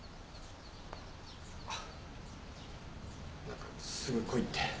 何かすぐ来いって。